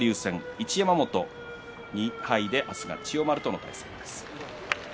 一山本は２敗で明日は千代丸との対戦です。